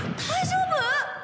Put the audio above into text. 大丈夫！？